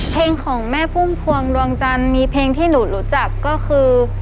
เพลงของแม่พุ่มพวงดวงจันทร์มีเพลงที่หนูรู้จักก็คือ